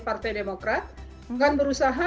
partai demokrat bukan berusaha